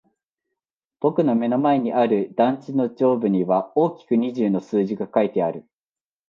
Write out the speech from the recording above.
僕の目の前にある団地の上部には大きく二十の数字が書いてある。